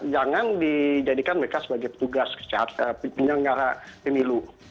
jangan dijadikan mereka sebagai petugas penyelenggara pemilu